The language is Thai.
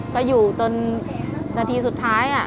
ก็อยู่จนนาทีสุดท้าย